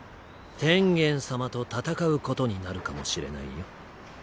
天元様と戦うことになるかもしれないよ